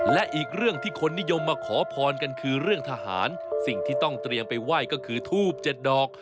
และอีกเรื่องที่คนนิยมมาขอพรกันคือเรื่องทหารสิ่งที่ต้องเตรียมไปไหว้ก็คือทูบเจ็ดดอก